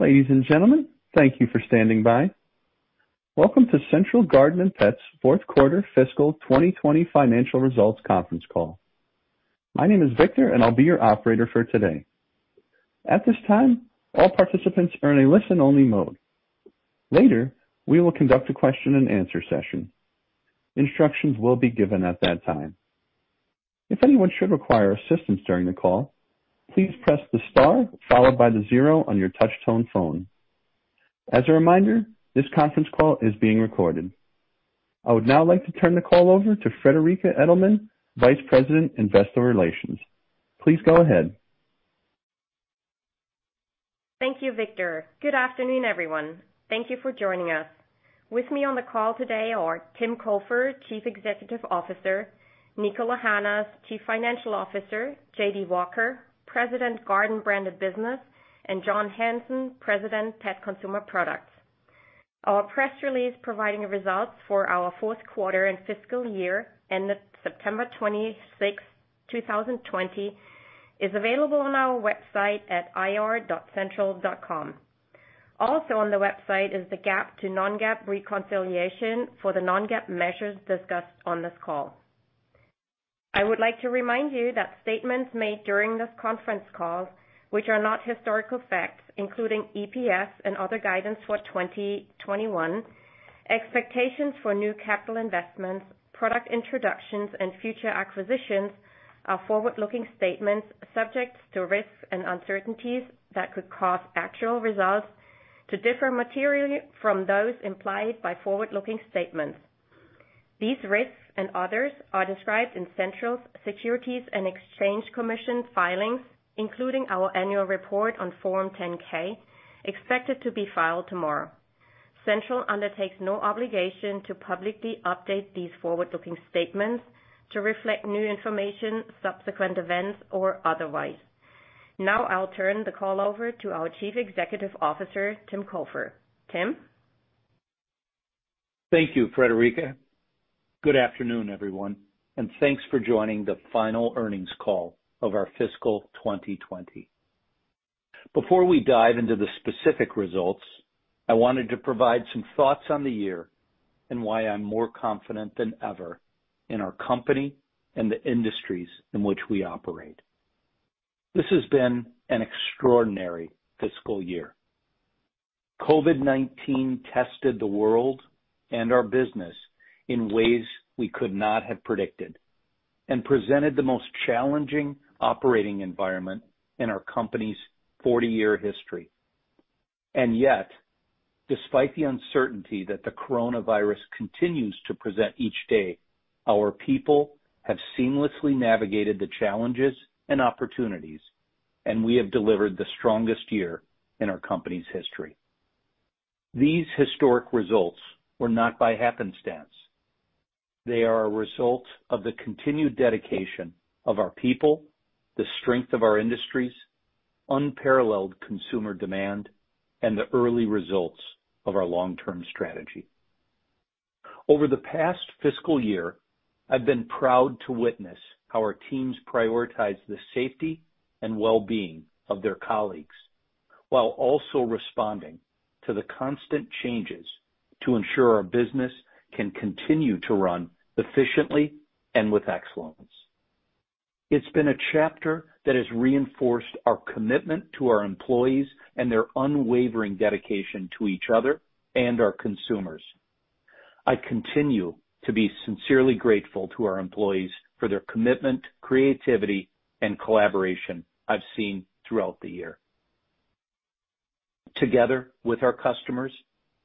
Ladies and gentlemen, thank you for standing by. Welcome to Central Garden & Pet's fourth quarter fiscal 2020 financial results conference call. My name is Victor, and I'll be your operator for today. At this time, all participants are in a listen-only mode. Later, we will conduct a question-and-answer session. Instructions will be given at that time. If anyone should require assistance during the call, please press the star followed by the zero on your touch-tone phone. As a reminder, this conference call is being recorded. I would now like to turn the call over to Friederike Edelmann, Vice President, Investor Relations. Please go ahead. Thank you, Victor. Good afternoon, everyone. Thank you for joining us. With me on the call today are Tim Cofer, Chief Executive Officer; Niko Lahanas, Chief Financial Officer; J.D. Walker, President, Garden, Brand & Business; and John Hanson, President, Pet Consumer Products. Our press release providing results for our fourth quarter and fiscal year ended September 26, 2020, is available on our website at ir.central.com. Also on the website is the GAAP to non-GAAP reconciliation for the non-GAAP measures discussed on this call. I would like to remind you that statements made during this conference call, which are not historical facts, including EPS and other guidance for 2021, expectations for new capital investments, product introductions, and future acquisitions are forward-looking statements subject to risks and uncertainties that could cause actual results to differ materially from those implied by forward-looking statements. These risks and others are described in Central's Securities and Exchange Commission filings, including our annual report on Form 10-K, expected to be filed tomorrow. Central undertakes no obligation to publicly update these forward-looking statements to reflect new information, subsequent events, or otherwise. Now I'll turn the call over to our Chief Executive Officer, Tim Cofer. Tim? Thank you, Frederika. Good afternoon, everyone, and thanks for joining the final earnings call of our fiscal 2020. Before we dive into the specific results, I wanted to provide some thoughts on the year and why I'm more confident than ever in our company and the industries in which we operate. This has been an extraordinary fiscal year. COVID-19 tested the world and our business in ways we could not have predicted and presented the most challenging operating environment in our company's 40-year history. Yet, despite the uncertainty that the coronavirus continues to present each day, our people have seamlessly navigated the challenges and opportunities, and we have delivered the strongest year in our company's history. These historic results were not by happenstance. They are a result of the continued dedication of our people, the strength of our industries, unparalleled consumer demand, and the early results of our long-term strategy. Over the past fiscal year, I've been proud to witness how our teams prioritized the safety and well-being of their colleagues while also responding to the constant changes to ensure our business can continue to run efficiently and with excellence. It's been a chapter that has reinforced our commitment to our employees and their unwavering dedication to each other and our consumers. I continue to be sincerely grateful to our employees for their commitment, creativity, and collaboration I've seen throughout the year. Together with our customers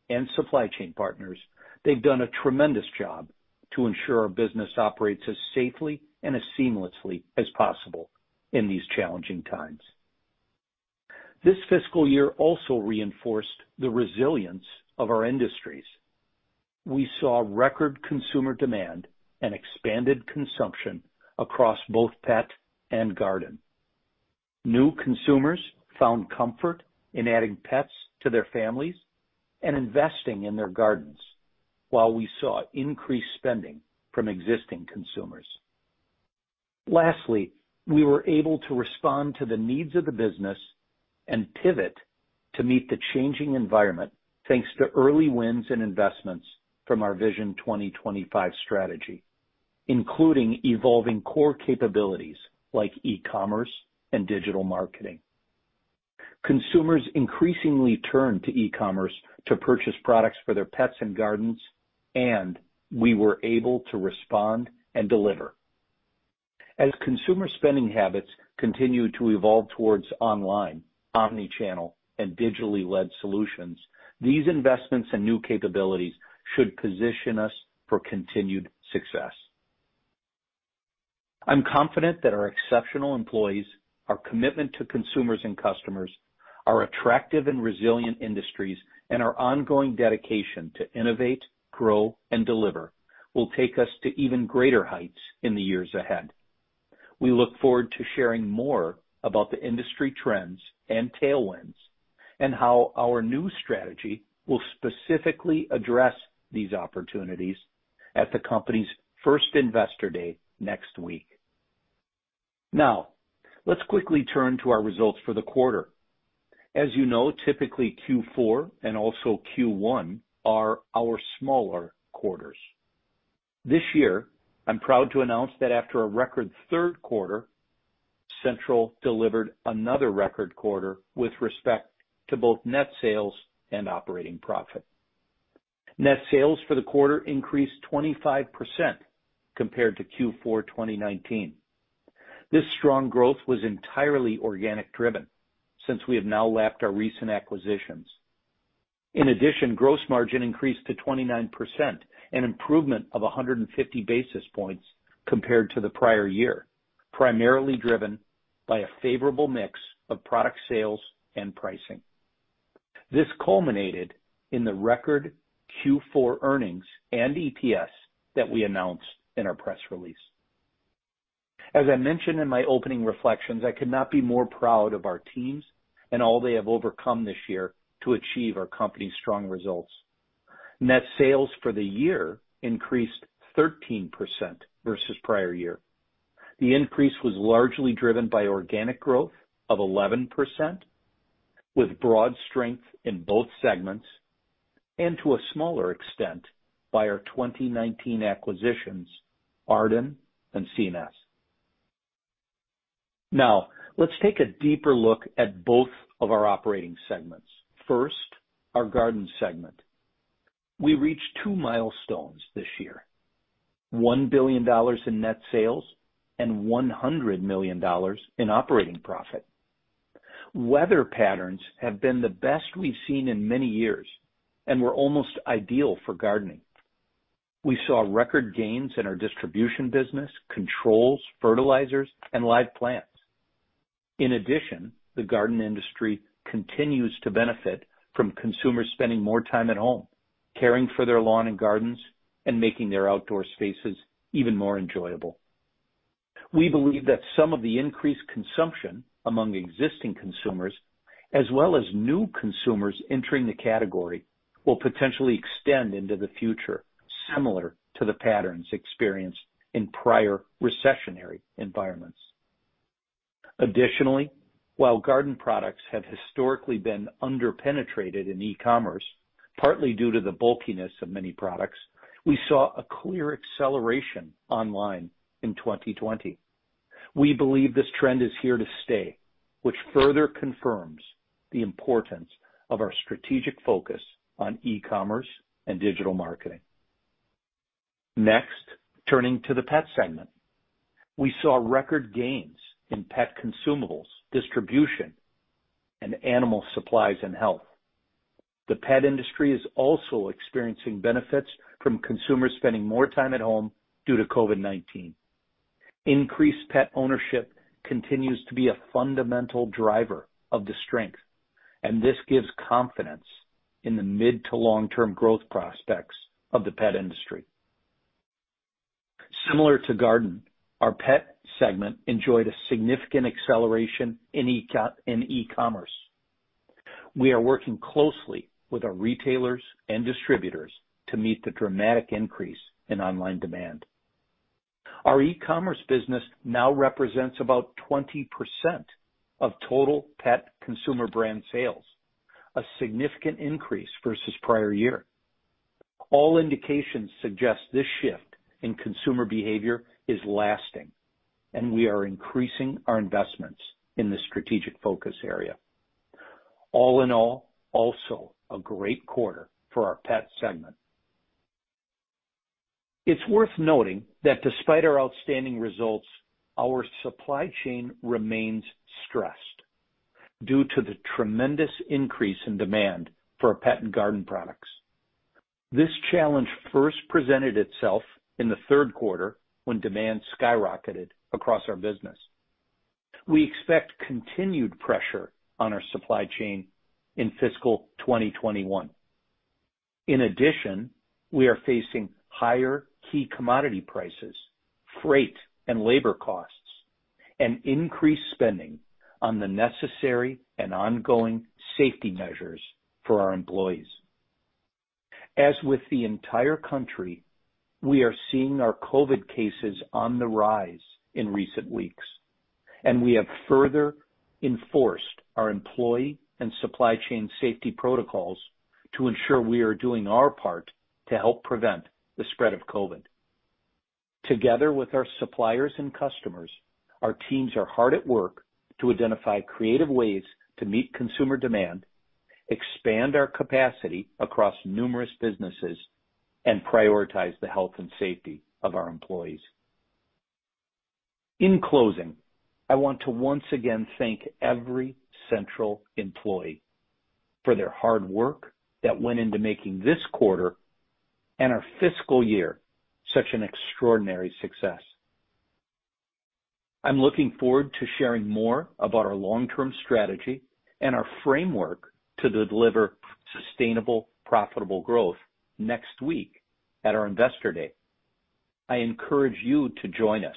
and supply chain partners, they've done a tremendous job to ensure our business operates as safely and as seamlessly as possible in these challenging times. This fiscal year also reinforced the resilience of our industries. We saw record consumer demand and expanded consumption across both pet and garden. New consumers found comfort in adding pets to their families and investing in their gardens, while we saw increased spending from existing consumers. Lastly, we were able to respond to the needs of the business and pivot to meet the changing environment thanks to early wins and investments from our Vision 2025 strategy, including evolving core capabilities like e-commerce and digital marketing. Consumers increasingly turned to e-commerce to purchase products for their pets and gardens, and we were able to respond and deliver. As consumer spending habits continue to evolve towards online, omnichannel, and digitally-led solutions, these investments and new capabilities should position us for continued success. I'm confident that our exceptional employees, our commitment to consumers and customers, our attractive and resilient industries, and our ongoing dedication to innovate, grow, and deliver will take us to even greater heights in the years ahead. We look forward to sharing more about the industry trends and tailwinds and how our new strategy will specifically address these opportunities at the company's first investor day next week. Now, let's quickly turn to our results for the quarter. As you know, typically Q4 and also Q1 are our smaller quarters. This year, I'm proud to announce that after a record third quarter, Central delivered another record quarter with respect to both net sales and operating profit. Net sales for the quarter increased 25% compared to Q4 2019. This strong growth was entirely organic-driven since we have now lapped our recent acquisitions. In addition, gross margin increased to 29%, an improvement of 150 basis points compared to the prior year, primarily driven by a favorable mix of product sales and pricing. This culminated in the record Q4 earnings and EPS that we announced in our press release. As I mentioned in my opening reflections, I could not be more proud of our teams and all they have overcome this year to achieve our company's strong results. Net sales for the year increased 13% versus prior year. The increase was largely driven by organic growth of 11%, with broad strength in both segments, and to a smaller extent by our 2019 acquisitions, Arden and C&S. Now, let's take a deeper look at both of our operating segments. First, our garden segment. We reached two milestones this year: $1 billion in net sales and $100 million in operating profit. Weather patterns have been the best we've seen in many years and were almost ideal for gardening. We saw record gains in our distribution business, controls, fertilizers, and live plants. In addition, the garden industry continues to benefit from consumers spending more time at home, caring for their lawn and gardens, and making their outdoor spaces even more enjoyable. We believe that some of the increased consumption among existing consumers, as well as new consumers entering the category, will potentially extend into the future, similar to the patterns experienced in prior recessionary environments. Additionally, while garden products have historically been underpenetrated in e-commerce, partly due to the bulkiness of many products, we saw a clear acceleration online in 2020. We believe this trend is here to stay, which further confirms the importance of our strategic focus on e-commerce and digital marketing. Next, turning to the pet segment, we saw record gains in pet consumables, distribution, and animal supplies and health. The pet industry is also experiencing benefits from consumers spending more time at home due to COVID-19. Increased pet ownership continues to be a fundamental driver of the strength, and this gives confidence in the mid- to long-term growth prospects of the pet industry. Similar to garden, our pet segment enjoyed a significant acceleration in e-commerce. We are working closely with our retailers and distributors to meet the dramatic increase in online demand. Our e-commerce business now represents about 20% of total pet consumer brand sales, a significant increase versus prior year. All indications suggest this shift in consumer behavior is lasting, and we are increasing our investments in the strategic focus area. All in all, also a great quarter for our pet segment. It's worth noting that despite our outstanding results, our supply chain remains stressed due to the tremendous increase in demand for pet and garden products. This challenge first presented itself in the third quarter when demand skyrocketed across our business. We expect continued pressure on our supply chain in fiscal 2021. In addition, we are facing higher key commodity prices, freight and labor costs, and increased spending on the necessary and ongoing safety measures for our employees. As with the entire country, we are seeing our COVID cases on the rise in recent weeks, and we have further enforced our employee and supply chain safety protocols to ensure we are doing our part to help prevent the spread of COVID. Together with our suppliers and customers, our teams are hard at work to identify creative ways to meet consumer demand, expand our capacity across numerous businesses, and prioritize the health and safety of our employees. In closing, I want to once again thank every Central employee for their hard work that went into making this quarter and our fiscal year such an extraordinary success. I'm looking forward to sharing more about our long-term strategy and our framework to deliver sustainable, profitable growth next week at our Investor Day. I encourage you to join us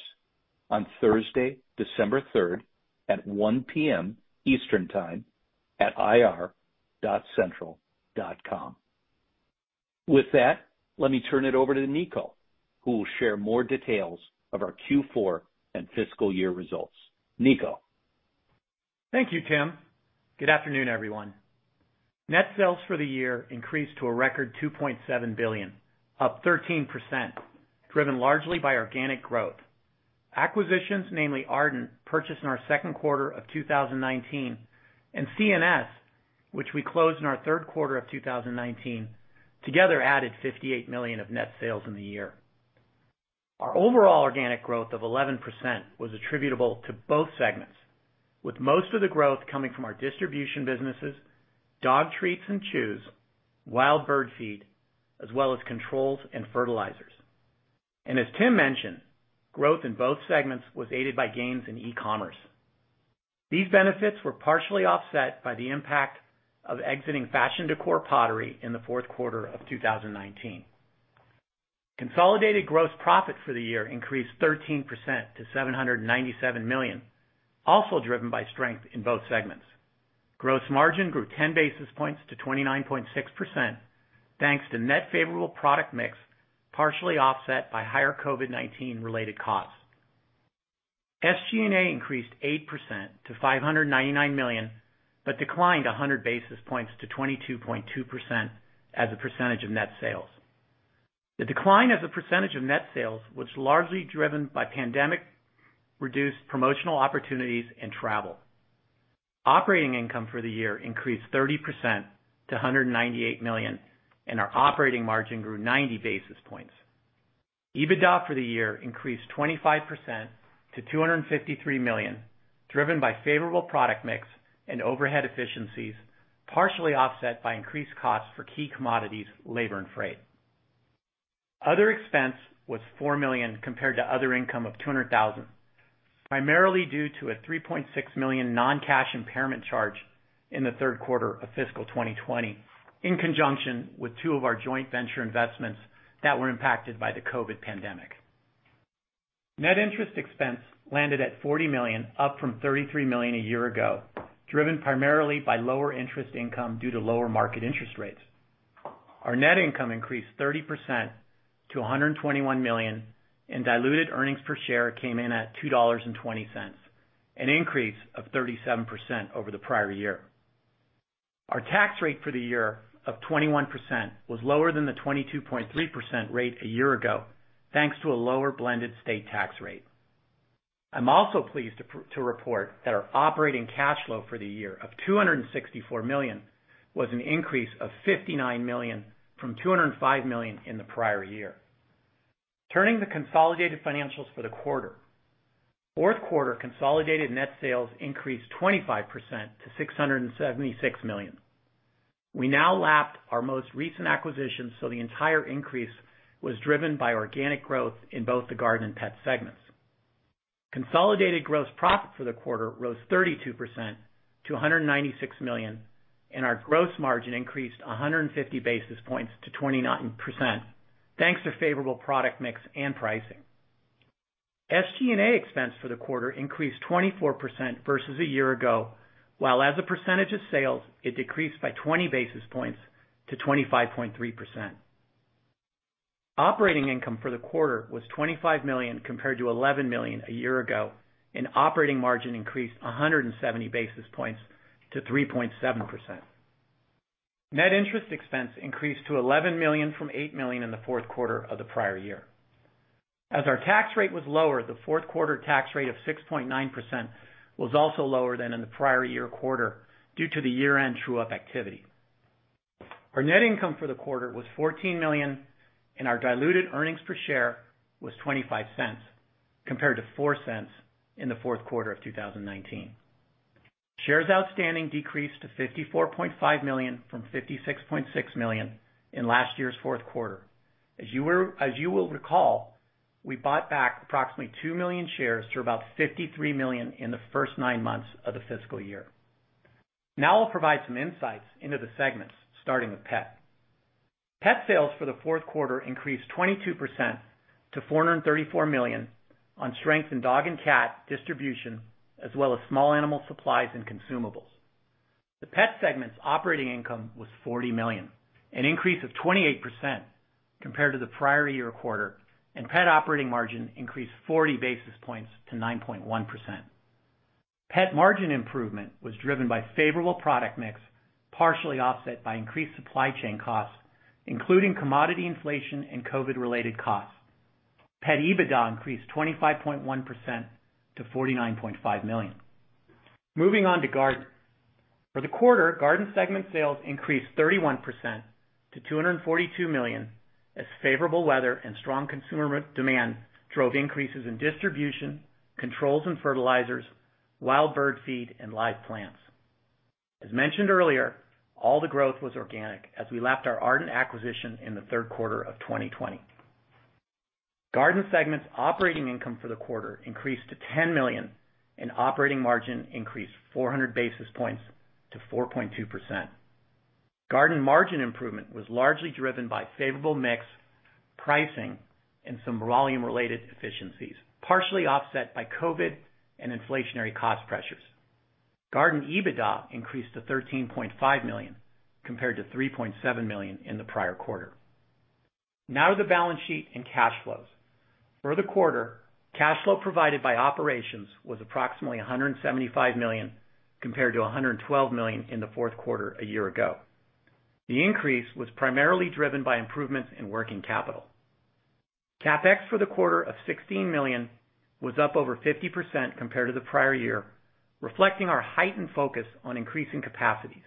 on Thursday, December 3rd, at 1:00 P.M. Eastern Time at ir.central.com. With that, let me turn it over to Niko, who will share more details of our Q4 and fiscal year results. Niko. Thank you, Tim. Good afternoon, everyone. Net sales for the year increased to a record $2.7 billion, up 13%, driven largely by organic growth. Acquisitions, namely Arden, purchased in our second quarter of 2019, and C&S, which we closed in our third quarter of 2019, together added $58 million of net sales in the year. Our overall organic growth of 11% was attributable to both segments, with most of the growth coming from our distribution businesses, dog treats and chews, wild bird feed, as well as controls and fertilizers. As Tim mentioned, growth in both segments was aided by gains in e-commerce. These benefits were partially offset by the impact of exiting fashion decor pottery in the fourth quarter of 2019. Consolidated gross profit for the year increased 13% to $797 million, also driven by strength in both segments. Gross margin grew 10 basis points to 29.6%, thanks to net favorable product mix partially offset by higher COVID-19-related costs. SG&A increased 8% to $599 million but declined 100 basis points to 22.2% as a percentage of net sales. The decline as a percentage of net sales was largely driven by pandemic-reduced promotional opportunities and travel. Operating income for the year increased 30% to $198 million, and our operating margin grew 90 basis points. EBITDA for the year increased 25% to $253 million, driven by favorable product mix and overhead efficiencies, partially offset by increased costs for key commodities, labor, and freight. Other expense was $4 million compared to other income of $200,000, primarily due to a $3.6 million non-cash impairment charge in the third quarter of fiscal 2020, in conjunction with two of our joint venture investments that were impacted by the COVID pandemic. Net interest expense landed at $40 million, up from $33 million a year ago, driven primarily by lower interest income due to lower market interest rates. Our net income increased 30% to $121 million, and diluted earnings per share came in at $2.20, an increase of 37% over the prior year. Our tax rate for the year of 21% was lower than the 22.3% rate a year ago, thanks to a lower blended state tax rate. I'm also pleased to report that our operating cash flow for the year of $264 million was an increase of $59 million from $205 million in the prior year. Turning to consolidated financials for the quarter, fourth quarter consolidated net sales increased 25% to $676 million. We now lapped our most recent acquisition, so the entire increase was driven by organic growth in both the garden and pet segments. Consolidated gross profit for the quarter rose 32% to $196 million, and our gross margin increased 150 basis points to 29%, thanks to favorable product mix and pricing. SG&A expense for the quarter increased 24% versus a year ago, while as a percentage of sales, it decreased by 20 basis points to 25.3%. Operating income for the quarter was $25 million compared to $11 million a year ago, and operating margin increased 170 basis points to 3.7%. Net interest expense increased to $11 million from $8 million in the fourth quarter of the prior year. As our tax rate was lower, the fourth quarter tax rate of 6.9% was also lower than in the prior year quarter due to the year-end true-up activity. Our net income for the quarter was $14 million, and our diluted earnings per share was $0.25 compared to $0.04 in the fourth quarter of 2019. Shares outstanding decreased to 54.5 million from 56.6 million in last year's fourth quarter. As you will recall, we bought back approximately 2 million shares to about 53 million in the first nine months of the fiscal year. Now I'll provide some insights into the segments, starting with pet. Pet sales for the fourth quarter increased 22% to $434 million on strength in dog and cat distribution, as well as small animal supplies and consumables. The pet segment's operating income was $40 million, an increase of 28% compared to the prior year quarter, and pet operating margin increased 40 basis points to 9.1%. Pet margin improvement was driven by favorable product mix, partially offset by increased supply chain costs, including commodity inflation and COVID-related costs. Pet EBITDA increased 25.1% to $49.5 million. Moving on to garden. For the quarter, garden segment sales increased 31% to $242 million, as favorable weather and strong consumer demand drove increases in distribution, controls and fertilizers, wild bird feed, and live plants. As mentioned earlier, all the growth was organic as we lapped our Arden acquisition in the third quarter of 2020. Garden segment's operating income for the quarter increased to $10 million, and operating margin increased 400 basis points to 4.2%. Garden margin improvement was largely driven by favorable mix, pricing, and some volume-related efficiencies, partially offset by COVID and inflationary cost pressures. Garden EBITDA increased to $13.5 million compared to $3.7 million in the prior quarter. Now to the balance sheet and cash flows. For the quarter, cash flow provided by operations was approximately $175 million compared to $112 million in the fourth quarter a year ago. The increase was primarily driven by improvements in working capital. CapEx for the quarter of $16 million was up over 50% compared to the prior year, reflecting our heightened focus on increasing capacities.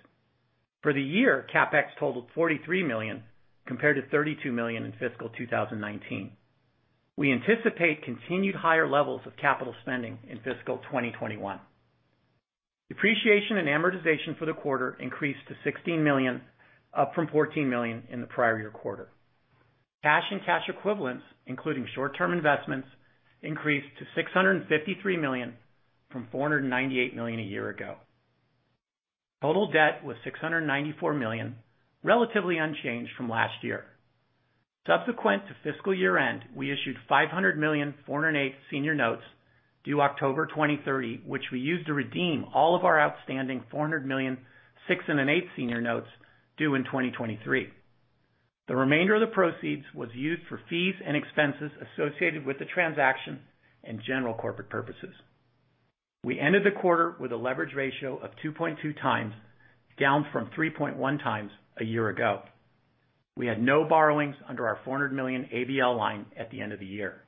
For the year, CapEx totaled $43 million compared to $32 million in fiscal 2019. We anticipate continued higher levels of capital spending in fiscal 2021. Depreciation and amortization for the quarter increased to $16 million, up from $14 million in the prior year quarter. Cash and cash equivalents, including short-term investments, increased to $653 million from $498 million a year ago. Total debt was $694 million, relatively unchanged from last year. Subsequent to fiscal year end, we issued $500,408 senior notes due October 2030, which we used to redeem all of our outstanding $400,608 senior notes due in 2023. The remainder of the proceeds was used for fees and expenses associated with the transaction and general corporate purposes. We ended the quarter with a leverage ratio of 2.2 times, down from 3.1 times a year ago. We had no borrowings under our $400 million ABL line at the end of the year.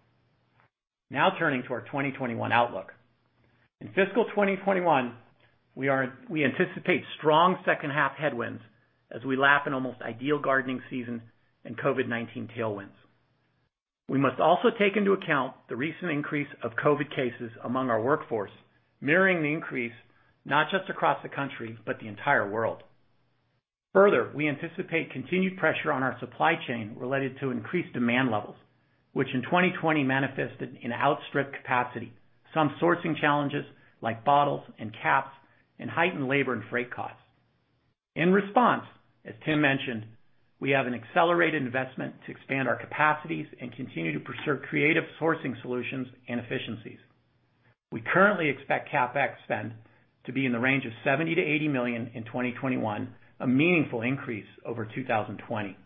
Now turning to our 2021 outlook. In fiscal 2021, we anticipate strong second-half headwinds as we lap an almost ideal gardening season and COVID-19 tailwinds. We must also take into account the recent increase of COVID cases among our workforce, mirroring the increase not just across the country, but the entire world. Further, we anticipate continued pressure on our supply chain related to increased demand levels, which in 2020 manifested in outstripped capacity, some sourcing challenges like bottles and caps, and heightened labor and freight costs. In response, as Tim mentioned, we have an accelerated investment to expand our capacities and continue to preserve creative sourcing solutions and efficiencies. We currently expect CapEx spend to be in the range of $70-$80 million in 2021, a meaningful increase over 2020.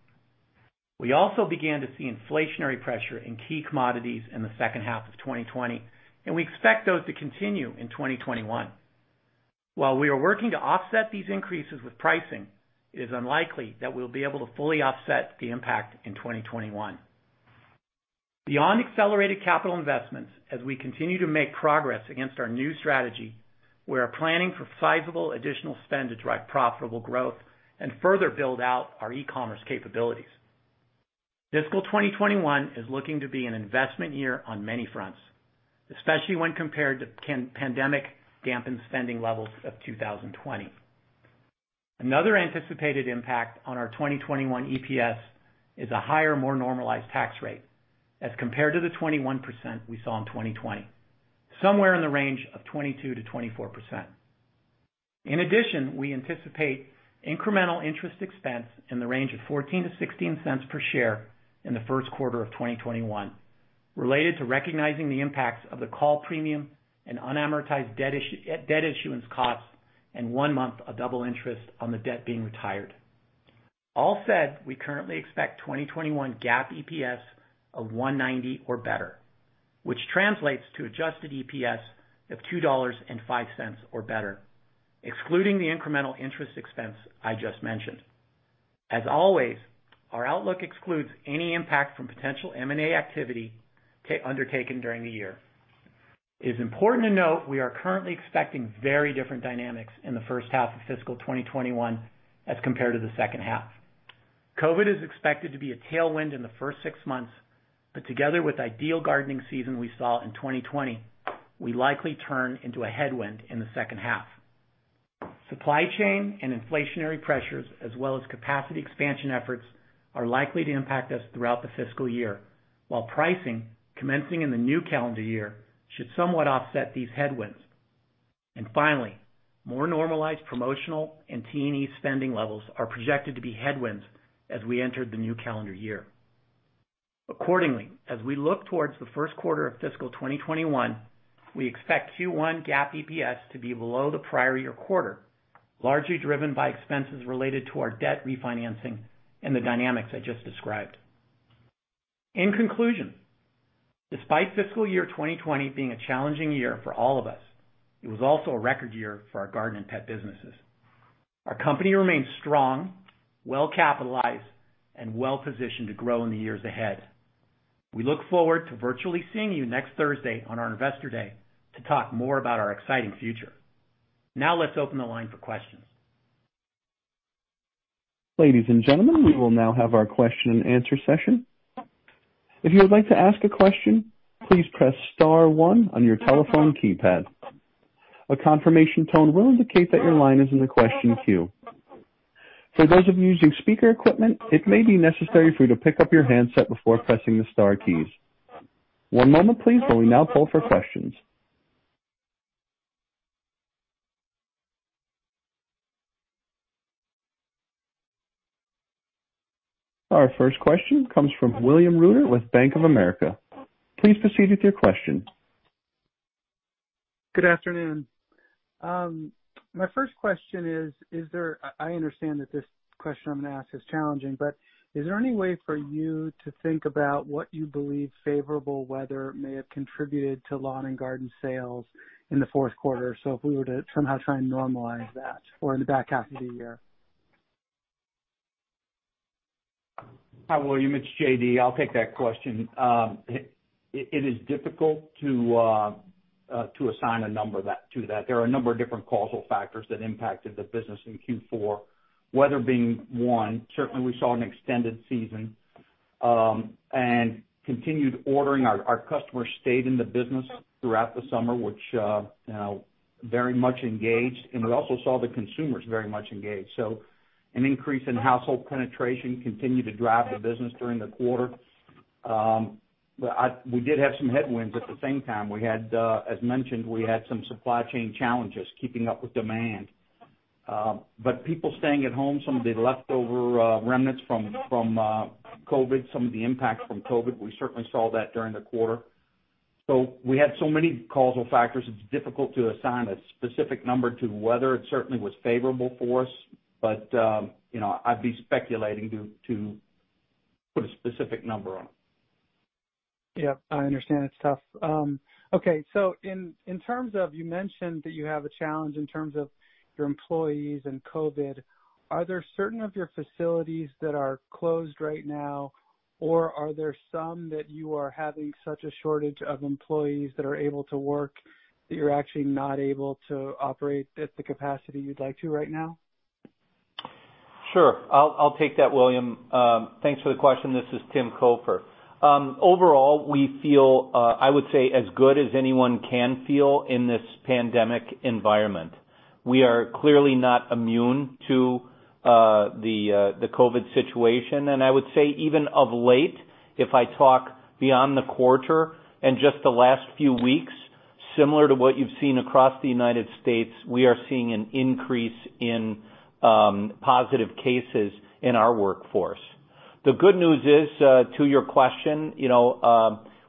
We also began to see inflationary pressure in key commodities in the second half of 2020, and we expect those to continue in 2021. While we are working to offset these increases with pricing, it is unlikely that we'll be able to fully offset the impact in 2021. Beyond accelerated capital investments, as we continue to make progress against our new strategy, we are planning for sizable additional spend to drive profitable growth and further build out our e-commerce capabilities. Fiscal 2021 is looking to be an investment year on many fronts, especially when compared to pandemic-dampened spending levels of 2020. Another anticipated impact on our 2021 EPS is a higher, more normalized tax rate as compared to the 21% we saw in 2020, somewhere in the range of 22-24%. In addition, we anticipate incremental interest expense in the range of $0.14-$0.16 per share in the first quarter of 2021, related to recognizing the impacts of the call premium and unamortized debt issuance costs, and one month of double interest on the debt being retired. All said, we currently expect 2021 GAAP EPS of $1.90 or better, which translates to adjusted EPS of $2.05 or better, excluding the incremental interest expense I just mentioned. As always, our outlook excludes any impact from potential M&A activity undertaken during the year. It is important to note we are currently expecting very different dynamics in the first half of fiscal 2021 as compared to the second half. COVID is expected to be a tailwind in the first six months, but together with the ideal gardening season we saw in 2020, we likely turn into a headwind in the second half. Supply chain and inflationary pressures, as well as capacity expansion efforts, are likely to impact us throughout the fiscal year, while pricing commencing in the new calendar year should somewhat offset these headwinds. Finally, more normalized promotional and T&E spending levels are projected to be headwinds as we enter the new calendar year. Accordingly, as we look towards the first quarter of fiscal 2021, we expect Q1 GAAP EPS to be below the prior year quarter, largely driven by expenses related to our debt refinancing and the dynamics I just described. In conclusion, despite fiscal year 2020 being a challenging year for all of us, it was also a record year for our garden and pet businesses. Our company remains strong, well-capitalized, and well-positioned to grow in the years ahead. We look forward to virtually seeing you next Thursday on our Investor Day to talk more about our exciting future. Now let's open the line for questions. Ladies and gentlemen, we will now have our question-and-answer session. If you would like to ask a question, please press Star 1 on your telephone keypad. A confirmation tone will indicate that your line is in the question queue. For those of you using speaker equipment, it may be necessary for you to pick up your handset before pressing the Star keys. One moment, please, while we now pull for questions. Our first question comes from William Rudner with Bank of America. Please proceed with your question. Good afternoon. My first question is, I understand that this question I'm going to ask is challenging, but is there any way for you to think about what you believe favorable weather may have contributed to lawn and garden sales in the fourth quarter? If we were to somehow try and normalize that or in the back half of the year. Hi, William. It's J.D. I'll take that question. It is difficult to assign a number to that. There are a number of different causal factors that impacted the business in Q4. Weather being one, certainly we saw an extended season and continued ordering. Our customers stayed in the business throughout the summer, which very much engaged, and we also saw the consumers very much engaged. An increase in household penetration continued to drive the business during the quarter. We did have some headwinds at the same time. As mentioned, we had some supply chain challenges keeping up with demand. People staying at home, some of the leftover remnants from COVID, some of the impact from COVID, we certainly saw that during the quarter. We had so many causal factors, it is difficult to assign a specific number to weather. It certainly was favorable for us, but I'd be speculating to put a specific number on it. Yep. I understand. It's tough. Okay. In terms of you mentioned that you have a challenge in terms of your employees and COVID. Are there certain of your facilities that are closed right now, or are there some that you are having such a shortage of employees that are able to work that you're actually not able to operate at the capacity you'd like to right now? Sure. I'll take that, William. Thanks for the question. This is Tim Cofer. Overall, we feel, I would say, as good as anyone can feel in this pandemic environment. We are clearly not immune to the COVID situation. I would say even of late, if I talk beyond the quarter and just the last few weeks, similar to what you've seen across the United States, we are seeing an increase in positive cases in our workforce. The good news is, to your question,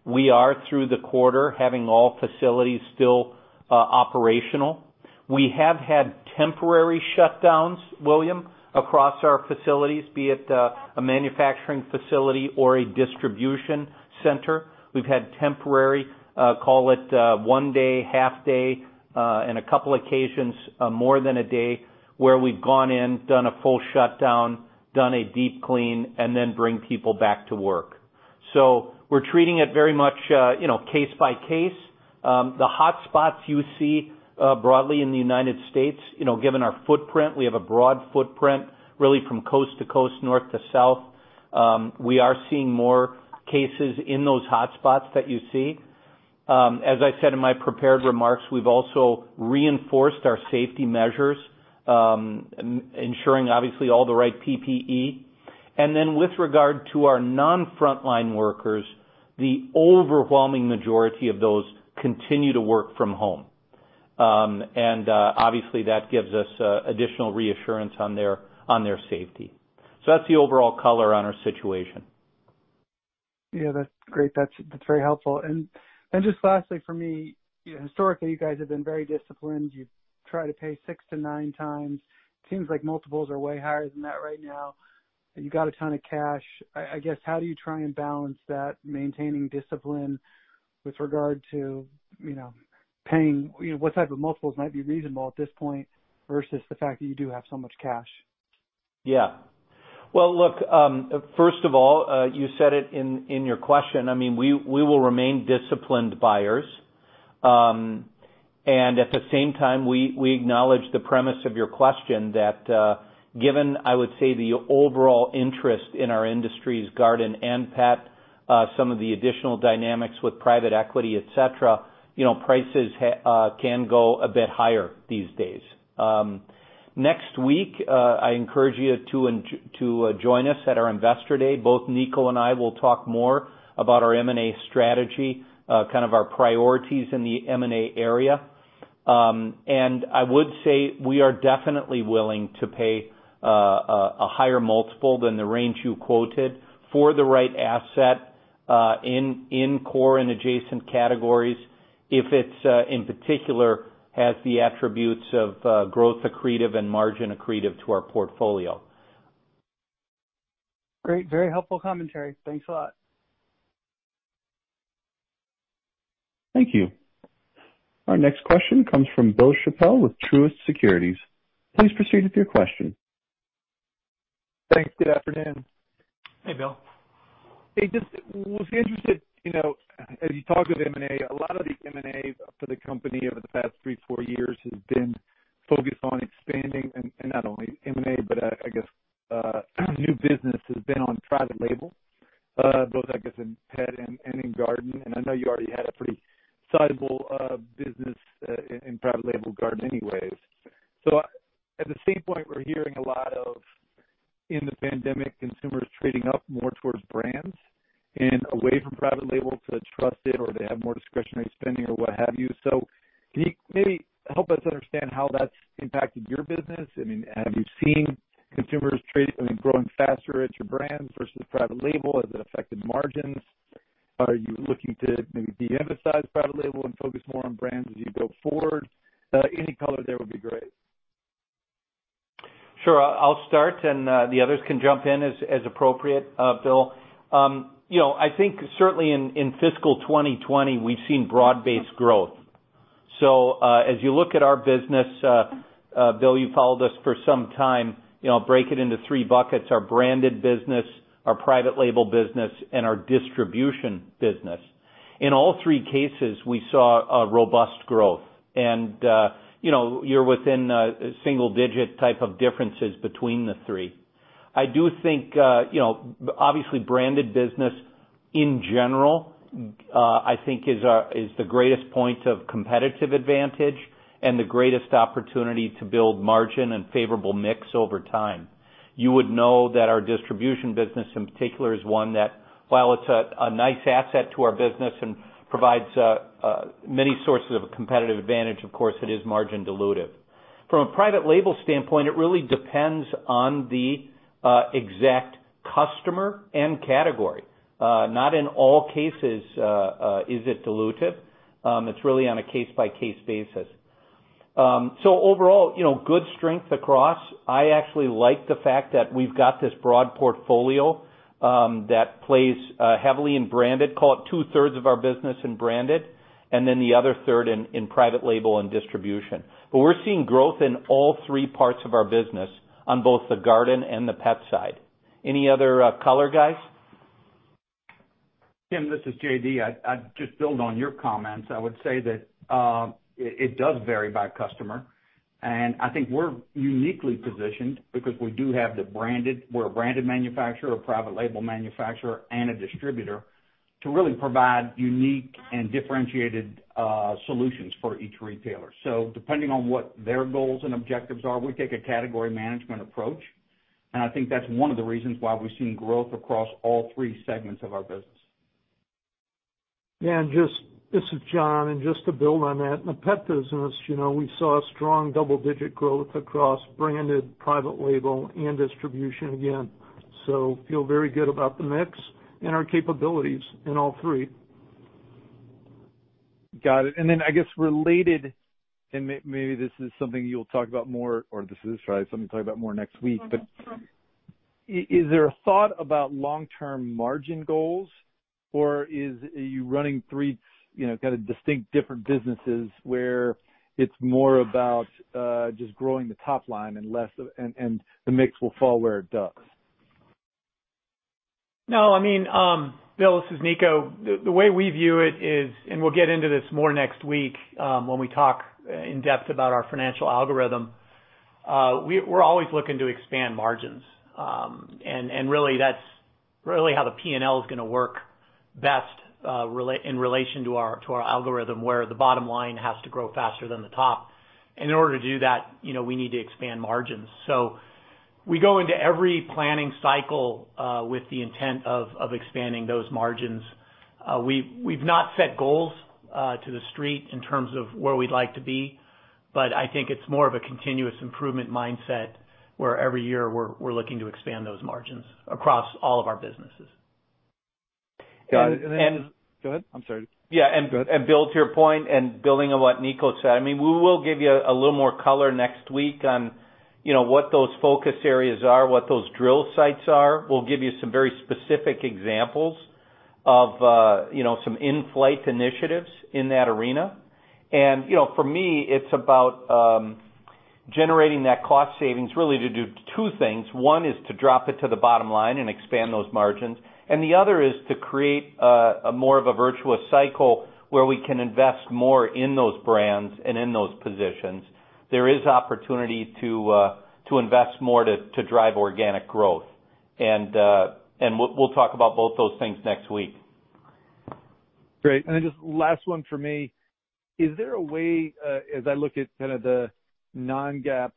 we are, through the quarter, having all facilities still operational. We have had temporary shutdowns, William, across our facilities, be it a manufacturing facility or a distribution center. We've had temporary, call it one day, half day, and a couple of occasions more than a day, where we've gone in, done a full shutdown, done a deep clean, and then bring people back to work. We are treating it very much case by case. The hotspots you see broadly in the U.S., given our footprint, we have a broad footprint really from coast to coast, north to south. We are seeing more cases in those hotspots that you see. As I said in my prepared remarks, we've also reinforced our safety measures, ensuring, obviously, all the right PPE. With regard to our non-frontline workers, the overwhelming majority of those continue to work from home. Obviously, that gives us additional reassurance on their safety. That is the overall color on our situation. Yeah. That is great. That is very helpful. Just lastly, for me, historically, you guys have been very disciplined. You have tried to pay six to nine times. It seems like multiples are way higher than that right now. You have got a ton of cash. I guess, how do you try and balance that, maintaining discipline with regard to paying? What type of multiples might be reasonable at this point versus the fact that you do have so much cash? Yeah. First of all, you said it in your question. I mean, we will remain disciplined buyers. At the same time, we acknowledge the premise of your question that given, I would say, the overall interest in our industries, garden and pet, some of the additional dynamics with private equity, etc., prices can go a bit higher these days. Next week, I encourage you to join us at our Investor Day. Both Niko and I will talk more about our M&A strategy, kind of our priorities in the M&A area. I would say we are definitely willing to pay a higher multiple than the range you quoted for the right asset in core and adjacent categories if it, in particular, has the attributes of growth accretive and margin accretive to our portfolio. Great. Very helpful commentary. Thanks a lot. Thank you. Our next question comes from Bill Chappell with Truist Securities. Please proceed with your question. Thanks. Good afternoon. Hey, Bill. Hey, just was interested, as you talked with M&A, a lot of the M&A for the company over the past three, four years has been focused on expanding, and not only M&A, but I guess new business has been on private label, both, I guess, in pet and in garden. I know you already had a pretty sizable business in private label garden anyways. At the same point, we're hearing a lot of, in the pandemic, consumers trading up more towards brands and away from private label to trust it or they have more discretionary spending or what have you. Can you maybe help us understand how that's impacted your business? I mean, have you seen consumers growing faster at your brands versus private label? Has it affected margins? Are you looking to maybe de-emphasize private label and focus more on brands as you go forward? Any color there would be great. Sure. I'll start, and the others can jump in as appropriate, Bill. I think certainly in fiscal 2020, we've seen broad-based growth. As you look at our business, Bill, you've followed us for some time, break it into three buckets: our branded business, our private label business, and our distribution business. In all three cases, we saw robust growth. You're within single-digit type of differences between the three. I do think, obviously, branded business in general, I think, is the greatest point of competitive advantage and the greatest opportunity to build margin and favorable mix over time. You would know that our distribution business, in particular, is one that, while it's a nice asset to our business and provides many sources of competitive advantage, of course, it is margin-dilutive. From a private label standpoint, it really depends on the exact customer and category. Not in all cases is it dilutive. It's really on a case-by-case basis. Overall, good strength across. I actually like the fact that we've got this broad portfolio that plays heavily in branded, call it two-thirds of our business in branded, and then the other third in private label and distribution. We're seeing growth in all three parts of our business on both the garden and the pet side. Any other color, guys? Tim, this is J.D. I'd just build on your comments. I would say that it does vary by customer. I think we're uniquely positioned because we do have the branded—we're a branded manufacturer, a private label manufacturer, and a distributor—to really provide unique and differentiated solutions for each retailer. Depending on what their goals and objectives are, we take a category management approach. I think that's one of the reasons why we've seen growth across all three segments of our business. Yeah. This is John. Just to build on that, in the pet business, we saw strong double-digit growth across branded, private label, and distribution again. So feel very good about the mix and our capabilities in all three. Got it. I guess related, and maybe this is something you'll talk about more or this is, right, something you'll talk about more next week, but is there a thought about long-term margin goals, or are you running three kind of distinct different businesses where it's more about just growing the top line and the mix will fall where it does? No. I mean, Bill, this is Niko. The way we view it is, and we'll get into this more next week when we talk in depth about our financial algorithm, we're always looking to expand margins. That's really how the P&L is going to work best in relation to our algorithm, where the bottom line has to grow faster than the top. In order to do that, we need to expand margins. We go into every planning cycle with the intent of expanding those margins. We've not set goals to the street in terms of where we'd like to be, but I think it's more of a continuous improvement mindset where every year we're looking to expand those margins across all of our businesses. Go ahead. I'm sorry. Yeah. Bill, to your point, and building on what Niko said, I mean, we will give you a little more color next week on what those focus areas are, what those drill sites are. We will give you some very specific examples of some in-flight initiatives in that arena. For me, it is about generating that cost savings really to do two things. One is to drop it to the bottom line and expand those margins. The other is to create more of a virtuous cycle where we can invest more in those brands and in those positions. There is opportunity to invest more to drive organic growth. We will talk about both those things next week. Great. Just last one for me. Is there a way, as I look at kind of the non-GAAP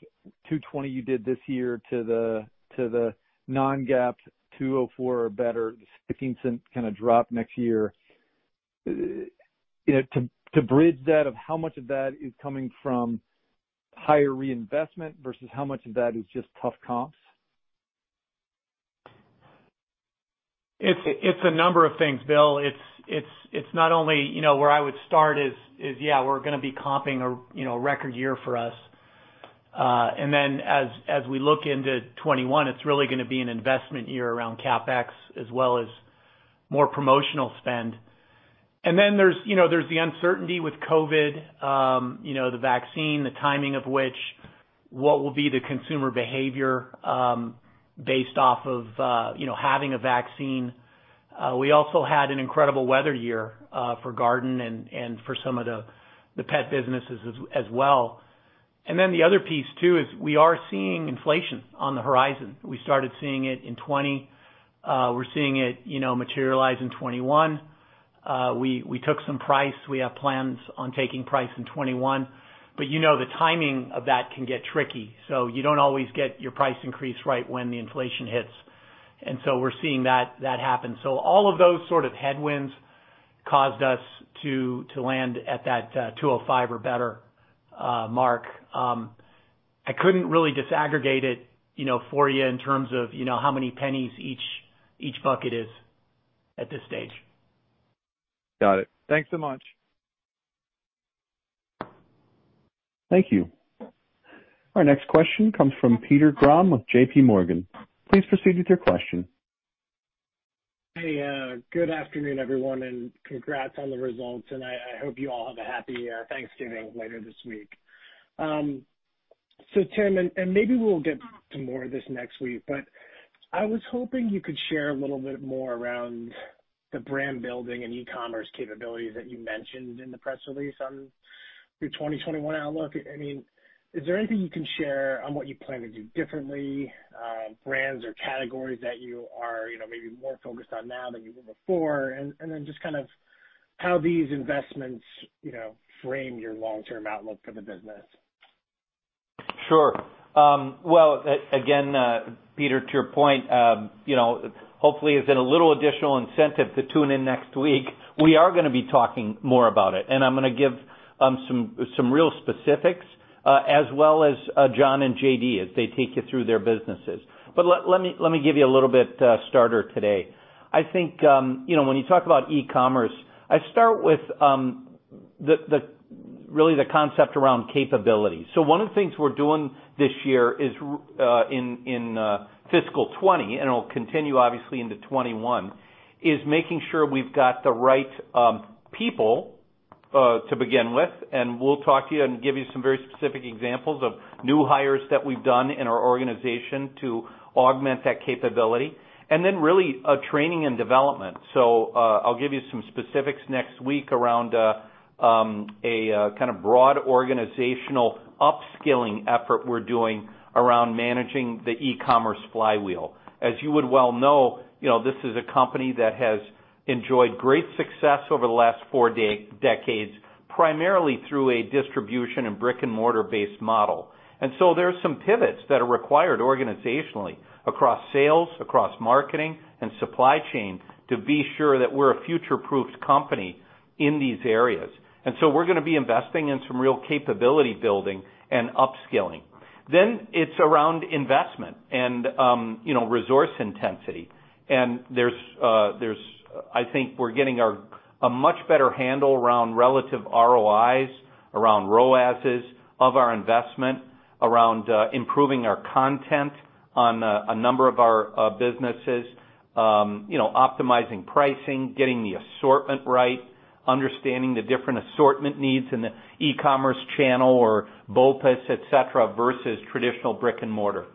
$2.20 you did this year to the non-GAAP $2.04 or better, the $0.16 kind of drop next year, to bridge that of how much of that is coming from higher reinvestment versus how much of that is just tough comps? It's a number of things, Bill. It's not only where I would start is, yeah, we're going to be comping a record year for us. As we look into 2021, it's really going to be an investment year around CapEx as well as more promotional spend. There is the uncertainty with COVID, the vaccine, the timing of which, what will be the consumer behavior based off of having a vaccine. We also had an incredible weather year for garden and for some of the pet businesses as well. The other piece too is we are seeing inflation on the horizon. We started seeing it in 2020. We are seeing it materialize in 2021. We took some price. We have plans on taking price in 2021. The timing of that can get tricky. You do not always get your price increase right when the inflation hits. We are seeing that happen. All of those sort of headwinds caused us to land at that $205 or better mark. I could not really disaggregate it for you in terms of how many pennies each bucket is at this stage. Got it. Thanks so much. Thank you. Our next question comes from Peter Graham with JPMorgan. Please proceed with your question. Good afternoon, everyone, and congrats on the results. I hope you all have a happy Thanksgiving later this week. Tim, and maybe we'll get to more of this next week, but I was hoping you could share a little bit more around the brand building and e-commerce capabilities that you mentioned in the press release on your 2021 outlook. I mean, is there anything you can share on what you plan to do differently, brands or categories that you are maybe more focused on now than you were before, and then just kind of how these investments frame your long-term outlook for the business? Sure. Again, Peter, to your point, hopefully, it's in a little additional incentive to tune in next week. We are going to be talking more about it. I'm going to give some real specifics as well as John and J.D. as they take you through their businesses. Let me give you a little bit of a starter today. I think when you talk about e-commerce, I start with really the concept around capability. One of the things we're doing this year in fiscal 2020, and it'll continue obviously into 2021, is making sure we've got the right people to begin with. We'll talk to you and give you some very specific examples of new hires that we've done in our organization to augment that capability, and then really training and development. I'll give you some specifics next week around a kind of broad organizational upskilling effort we're doing around managing the e-commerce flywheel. As you would well know, this is a company that has enjoyed great success over the last four decades, primarily through a distribution and brick-and-mortar-based model. There are some pivots that are required organizationally across sales, across marketing, and supply chain to be sure that we're a future-proofed company in these areas. We're going to be investing in some real capability building and upskilling. It is around investment and resource intensity. I think we're getting a much better handle around relative ROIs, around ROASes of our investment, around improving our content on a number of our businesses, optimizing pricing, getting the assortment right, understanding the different assortment needs in the e-commerce channel or BOPUS, etc., versus traditional brick-and-mortar.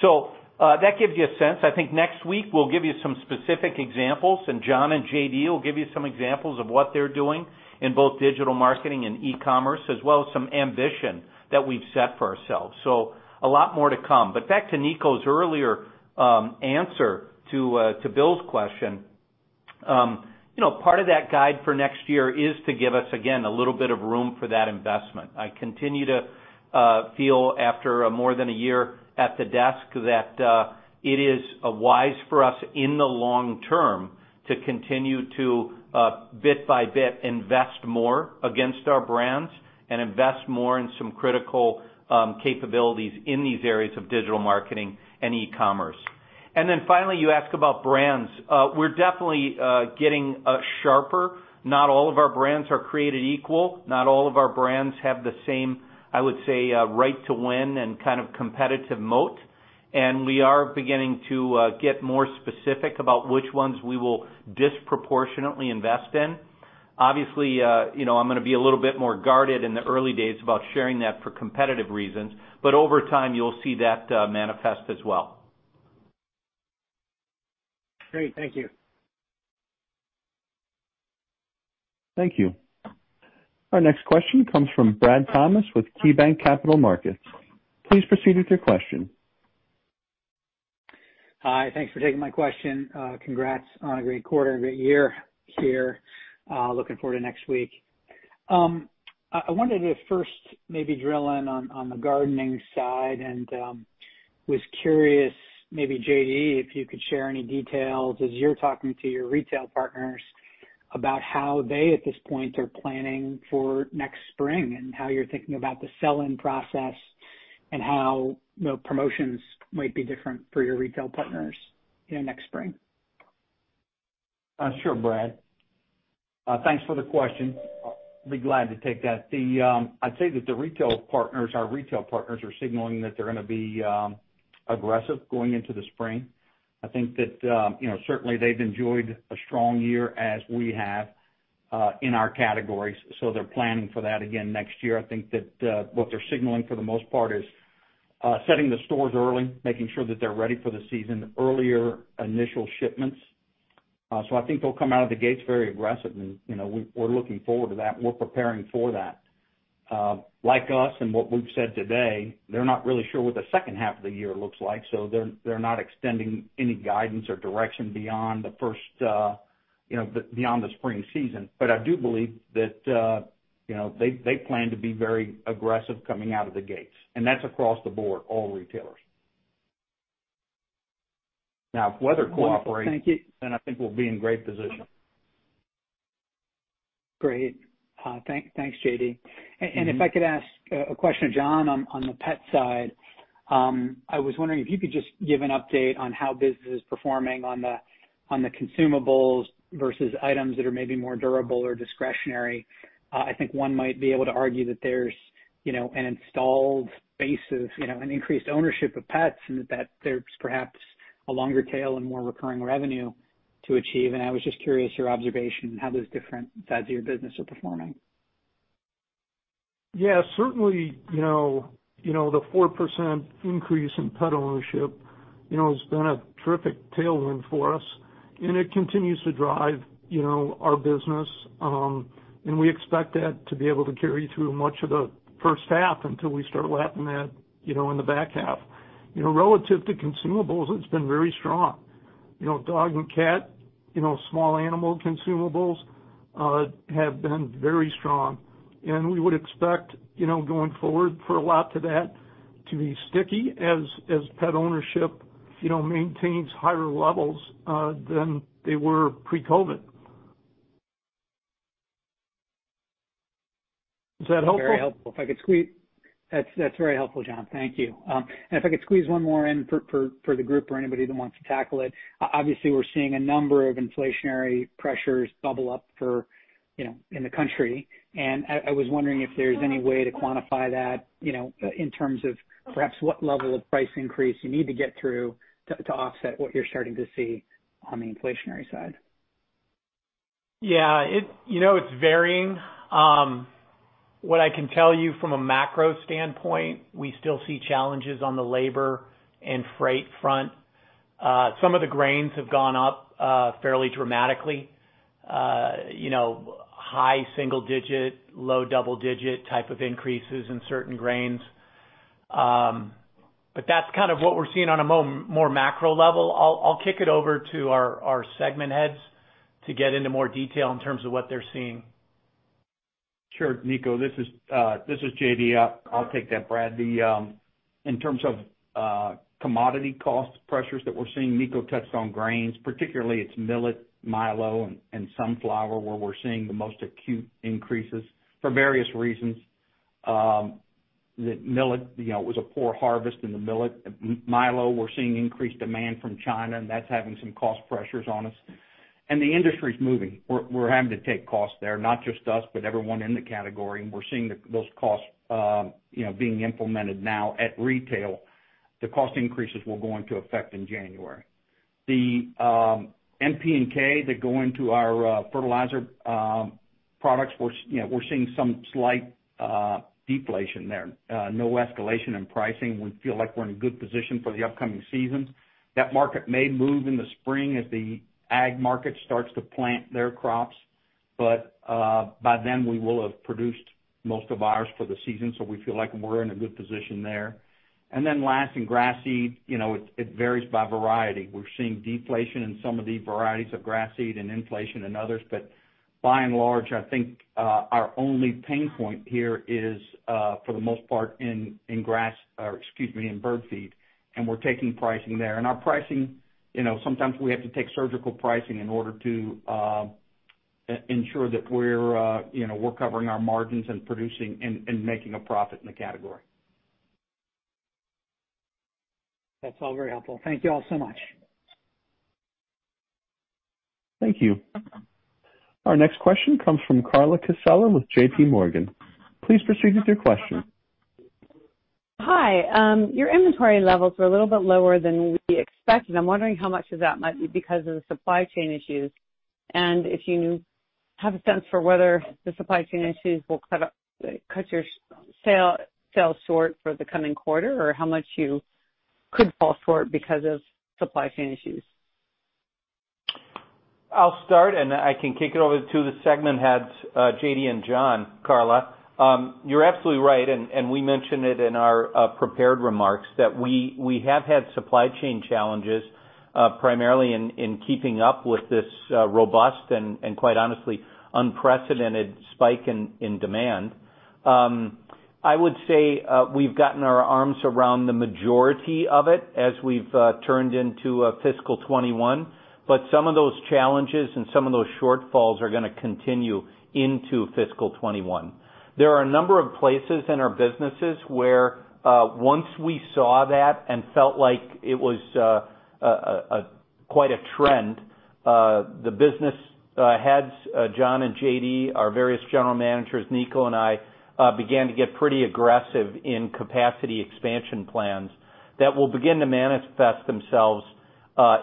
That gives you a sense. I think next week, we'll give you some specific examples. John and J.D. will give you some examples of what they're doing in both digital marketing and e-commerce, as well as some ambition that we've set for ourselves. A lot more to come. Back to Niko's earlier answer to Bill's question, part of that guide for next year is to give us, again, a little bit of room for that investment. I continue to feel, after more than a year at the desk, that it is wise for us in the long term to continue to, bit by bit, invest more against our brands and invest more in some critical capabilities in these areas of digital marketing and e-commerce. Finally, you ask about brands. We're definitely getting sharper. Not all of our brands are created equal. Not all of our brands have the same, I would say, right to win and kind of competitive moat. We are beginning to get more specific about which ones we will disproportionately invest in. Obviously, I'm going to be a little bit more guarded in the early days about sharing that for competitive reasons. But over time, you'll see that manifest as well. Great. Thank you. Thank you. Our next question comes from Brad Thomas with KeyBank Capital Markets. Please proceed with your question. Hi. Thanks for taking my question. Congrats on a great quarter and a great year here. Looking forward to next week. I wanted to first maybe drill in on the gardening side and was curious, maybe J.D., if you could share any details as you're talking to your retail partners about how they at this point are planning for next spring and how you're thinking about the sell-in process and how promotions might be different for your retail partners next spring. Sure, Brad. Thanks for the question. I'll be glad to take that. I'd say that the retail partners, our retail partners, are signaling that they're going to be aggressive going into the spring. I think that certainly they've enjoyed a strong year as we have in our categories. They are planning for that again next year. I think that what they're signaling for the most part is setting the stores early, making sure that they're ready for the season, earlier initial shipments. I think they'll come out of the gates very aggressive. We are looking forward to that. We are preparing for that. Like us and what we've said today, they're not really sure what the second half of the year looks like. They are not extending any guidance or direction beyond the first, beyond the spring season. I do believe that they plan to be very aggressive coming out of the gates. That is across the board, all retailers. Now, if weather cooperates, then I think we'll be in great position. Great. Thanks, J.D. If I could ask a question to John on the pet side, I was wondering if you could just give an update on how business is performing on the consumables versus items that are maybe more durable or discretionary. I think one might be able to argue that there's an installed base of an increased ownership of pets and that there's perhaps a longer tail and more recurring revenue to achieve. I was just curious your observation and how those different sides of your business are performing. Yeah. Certainly, the 4% increase in pet ownership has been a terrific tailwind for us. It continues to drive our business. We expect that to be able to carry through much of the first half until we start lapping that in the back half. Relative to consumables, it's been very strong. Dog and cat, small animal consumables have been very strong. We would expect going forward for a lot of that to be sticky as pet ownership maintains higher levels than they were pre-COVID. Is that helpful? Very helpful. If I could squeeze, that's very helpful, John. Thank you. If I could squeeze one more in for the group or anybody that wants to tackle it. Obviously, we're seeing a number of inflationary pressures bubble up in the country. I was wondering if there's any way to quantify that in terms of perhaps what level of price increase you need to get through to offset what you're starting to see on the inflationary side. Yeah. It's varying. What I can tell you from a macro standpoint, we still see challenges on the labor and freight front. Some of the grains have gone up fairly dramatically. High single-digit, low double-digit type of increases in certain grains. That is kind of what we're seeing on a more macro level. I'll kick it over to our segment heads to get into more detail in terms of what they're seeing. Sure. Niko, this is J.D. I'll take that, Brad. In terms of commodity cost pressures that we're seeing, Niko touched on grains, particularly it's millet, milo, and sunflower where we're seeing the most acute increases for various reasons. The millet, it was a poor harvest in the millet. Milo, we're seeing increased demand from China, and that's having some cost pressures on us. The industry's moving. We're having to take costs there, not just us, but everyone in the category. We're seeing those costs being implemented now at retail. The cost increases we're going to effect in January. The NP&K that go into our fertilizer products, we're seeing some slight deflation there. No escalation in pricing. We feel like we're in a good position for the upcoming season. That market may move in the spring as the ag market starts to plant their crops. By then, we will have produced most of ours for the season. We feel like we're in a good position there. Last, in grass seed, it varies by variety. We're seeing deflation in some of these varieties of grass seed and inflation in others. By and large, I think our only pain point here is for the most part in grass or, excuse me, in bird feed. We're taking pricing there. Our pricing, sometimes we have to take surgical pricing in order to ensure that we're covering our margins and producing and making a profit in the category. That's all very helpful. Thank you all so much. Thank you. Our next question comes from Carla Costeller with J.P. Morgan. Please proceed with your question. Hi. Your inventory levels were a little bit lower than we expected. I'm wondering how much of that might be because of the supply chain issues. And if you have a sense for whether the supply chain issues will cut your sales short for the coming quarter or how much you could fall short because of supply chain issues. I'll start, and I can kick it over to the segment heads, J.D. and John, Carla. You're absolutely right. We mentioned it in our prepared remarks that we have had supply chain challenges primarily in keeping up with this robust and, quite honestly, unprecedented spike in demand. I would say we've gotten our arms around the majority of it as we've turned into fiscal 2021. Some of those challenges and some of those shortfalls are going to continue into fiscal 2021. There are a number of places in our businesses where once we saw that and felt like it was quite a trend, the business heads, John and J.D., our various general managers, Niko and I, began to get pretty aggressive in capacity expansion plans that will begin to manifest themselves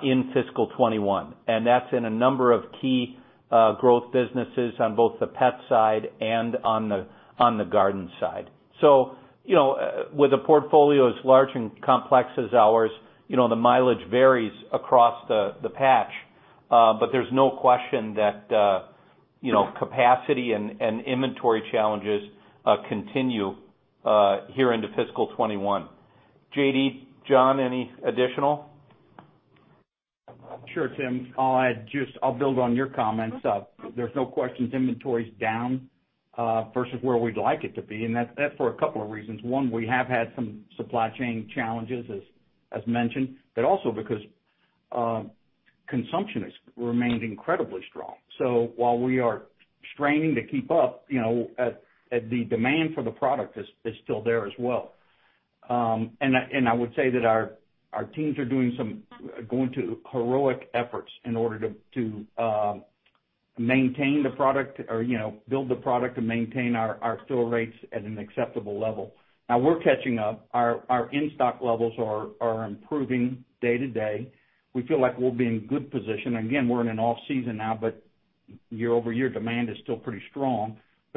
in fiscal 2021. That is in a number of key growth businesses on both the pet side and on the garden side. With a portfolio as large and complex as ours, the mileage varies across the patch. There is no question that capacity and inventory challenges continue here into fiscal 2021. J.D., John, any additional? Sure, Tim. I'll build on your comments. There is no question. Inventory is down versus where we'd like it to be. That is for a couple of reasons. One, we have had some supply chain challenges, as mentioned, but also because consumption has remained incredibly strong. While we are straining to keep up, the demand for the product is still there as well. I would say that our teams are going to heroic efforts in order to maintain the product or build the product and maintain our fill rates at an acceptable level. Now, we're catching up. Our in-stock levels are improving day to day. We feel like we'll be in good position. Again, we're in an off-season now, but year-over-year demand is still pretty strong.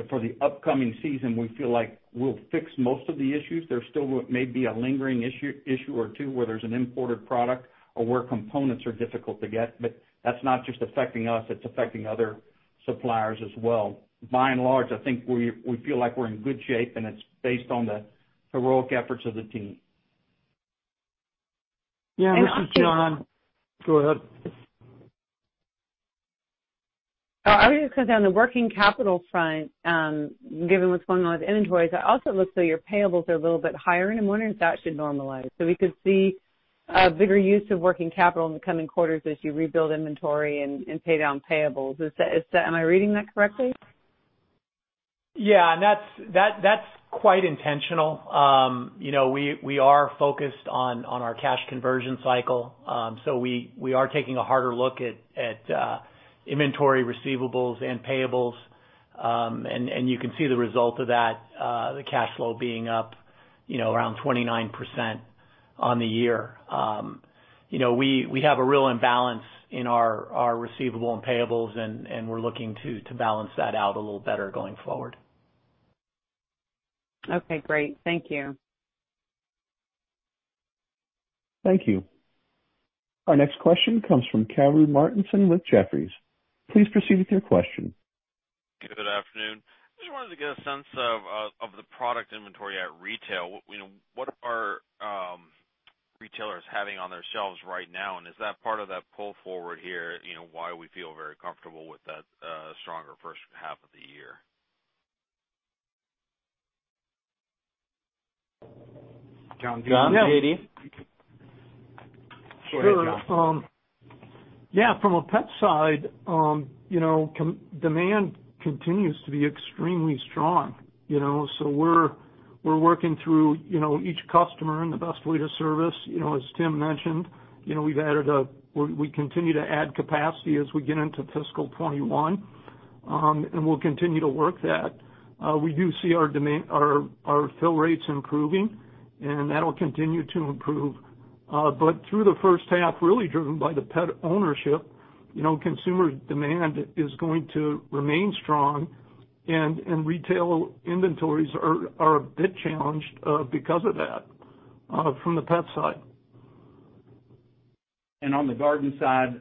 For the upcoming season, we feel like we'll fix most of the issues. There still may be a lingering issue or two where there's an imported product or where components are difficult to get. That's not just affecting us. It's affecting other suppliers as well. By and large, I think we feel like we're in good shape, and it's based on the heroic efforts of the team. Yeah. This is John. Go ahead. I was just going to say on the working capital front, given what's going on with inventories, I also looked at your payables. They're a little bit higher. I'm wondering if that should normalize. We could see a bigger use of working capital in the coming quarters as you rebuild inventory and pay down payables. Am I reading that correctly? Yeah. That is quite intentional. We are focused on our cash conversion cycle. We are taking a harder look at inventory, receivables, and payables. You can see the result of that, the cash flow being up around 29% on the year. We have a real imbalance in our receivable and payables, and we are looking to balance that out a little better going forward. Okay. Great. Thank you. Thank you. Our next question comes from Cavalry Martinson with Jefferies. Please proceed with your question. Good afternoon. I just wanted to get a sense of the product inventory at retail. What are retailers having on their shelves right now? Is that part of that pull forward here, why we feel very comfortable with that stronger first half of the year? John, J.D. Sure. Yeah. From a pet side, demand continues to be extremely strong. We're working through each customer and the best way to service. As Tim mentioned, we continue to add capacity as we get into fiscal 2021. We'll continue to work that. We do see our fill rates improving, and that'll continue to improve. Through the first half, really driven by the pet ownership, consumer demand is going to remain strong. Retail inventories are a bit challenged because of that from the pet side. On the garden side,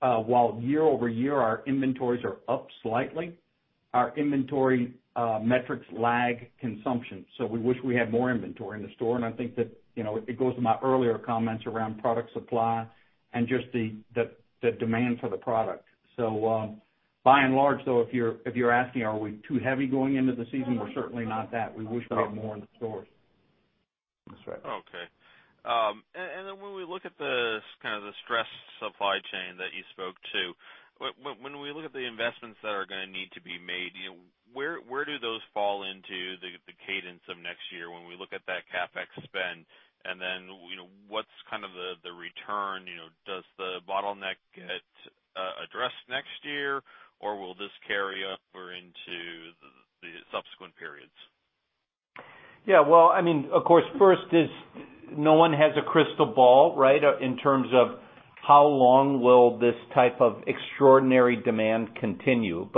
while year-over-year our inventories are up slightly, our inventory metrics lag consumption. We wish we had more inventory in the store. I think that goes to my earlier comments around product supply and just the demand for the product. By and large, though, if you're asking, are we too heavy going into the season, we're certainly not that. We wish we had more in the stores. That's right. Okay. When we look at kind of the stress supply chain that you spoke to, when we look at the investments that are going to need to be made, where do those fall into the cadence of next year when we look at that CapEx spend? What's kind of the return? Does the bottleneck get addressed next year, or will this carry over into the subsequent periods? Yeah. I mean, of course, first is no one has a crystal ball, right, in terms of how long will this type of extraordinary demand continue.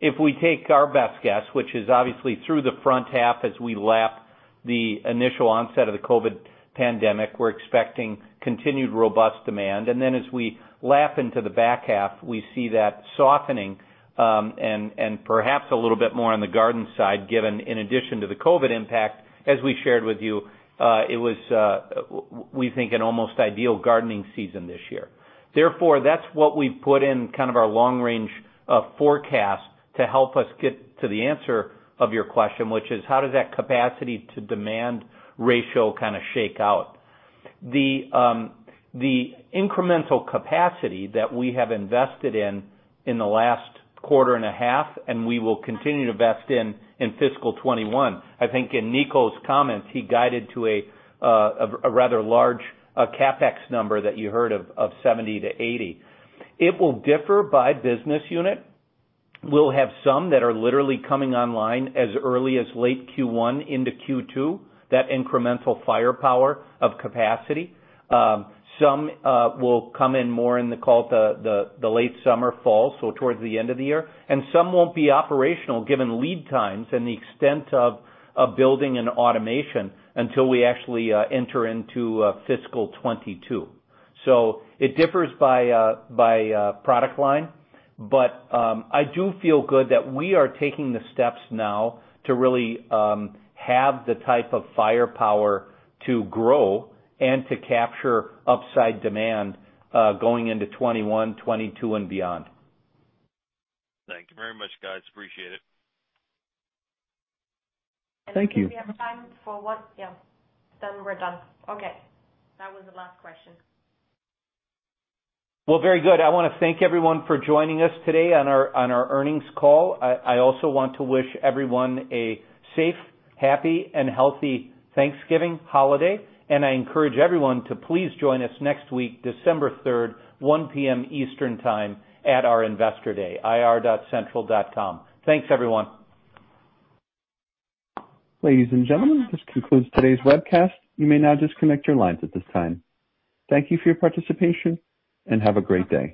If we take our best guess, which is obviously through the front half as we lap the initial onset of the COVID pandemic, we're expecting continued robust demand. As we lap into the back half, we see that softening and perhaps a little bit more on the garden side, given in addition to the COVID impact, as we shared with you, it was, we think, an almost ideal gardening season this year. Therefore, that is what we have put in kind of our long-range forecast to help us get to the answer of your question, which is how does that capacity-to-demand ratio kind of shake out? The incremental capacity that we have invested in in the last quarter and a half, and we will continue to invest in fiscal 2021. I think in Niko's comments, he guided to a rather large CapEx number that you heard of, of $70-80 million. It will differ by business unit. We will have some that are literally coming online as early as late Q1 into Q2, that incremental firepower of capacity. Some will come in more in the late summer, fall, towards the end of the year. Some will not be operational given lead times and the extent of building and automation until we actually enter into fiscal 2022. It differs by product line. I do feel good that we are taking the steps now to really have the type of firepower to grow and to capture upside demand going into 2021, 2022, and beyond. Thank you very much, guys. Appreciate it. Thank you. If we have time for what? Yeah. We are done. That was the last question. Very good. I want to thank everyone for joining us today on our earnings call. I also want to wish everyone a safe, happy, and healthy Thanksgiving holiday. I encourage everyone to please join us next week, December 3, 1:00 P.M. Eastern Time at our Investor Day, ircentral.com. Thanks, everyone. Ladies and gentlemen, this concludes today's webcast. You may now disconnect your lines at this time. Thank you for your participation and have a great day.